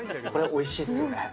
おいしいですよね。